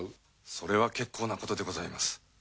それは結構なことでございます。